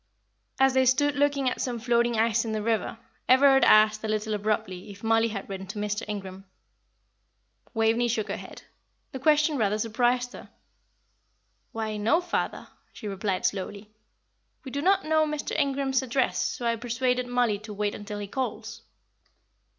As they stood looking at some floating ice in the river, Everard asked a little abruptly if Mollie had written to Mr. Ingram. Waveney shook her head. The question rather surprised her. "Why, no, father," she replied, slowly; "we do not know Mr. Ingram's address, so I persuaded Mollie to wait until he calls."